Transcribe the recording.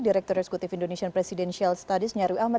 direktur reskutif indonesia presiden shell studies nyarwi ahmad